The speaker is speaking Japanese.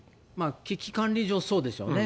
危機管理上、そうですよね。